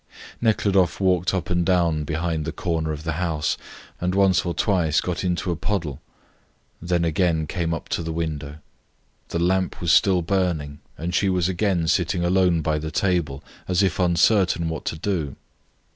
Nekhludoff walked up and down behind the corner of the house, and once or twice got into a puddle. Then again came up to the window. The lamp was still burning, and she was again sitting alone by the table as if uncertain what to do.